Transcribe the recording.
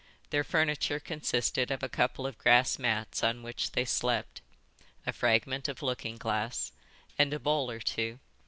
Their furniture consisted of a couple of grass mats on which they slept, a fragment of looking glass, and a bowl or two.